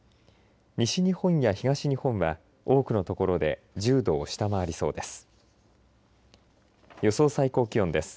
西日本や東日本は多くの所で１０度を下回りそうです。